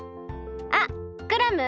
あっクラム！？